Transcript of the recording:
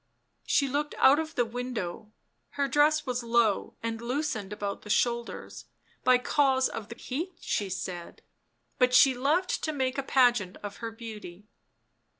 She looked out of the window; her dress was low and loosened about the shoulders, by cause of the heat, she said, but she loved to make a pageant of her beauty.